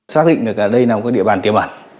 xác định được đây là một địa bàn tiềm ẩn